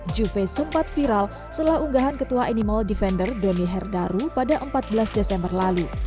juve sempat viral setelah unggahan ketua animal defender doni herdaru pada empat belas desember lalu